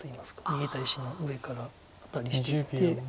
逃げた石の上からアタリしていって。